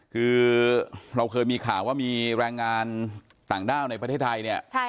คือเราเคยมีข่าวว่ามีแรงงานต่างด้าวในประเทศไทยเนี่ย